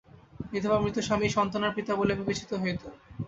বিধবার মৃত স্বামীই সন্তানের পিতা বলিয়া বিবেচিত হইতেন।